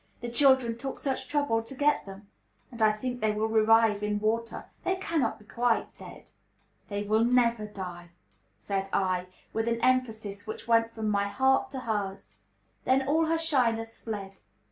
The children took such trouble to get them; and I think they will revive in water. They cannot be quite dead." "They will never die!" said I, with an emphasis which went from my heart to hers. Then all her shyness fled.